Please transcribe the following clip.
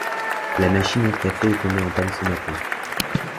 La machine à café est tombée en panne ce matin